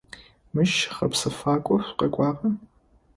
Мыщ гъэпсэфакӏо шъукъэкӏуагъа?